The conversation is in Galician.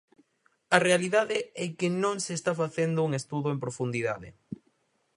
A realidade é que non se está facendo un estudo en profundidade.